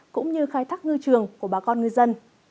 cũng như khai thác ngư trường của bà con ngư dân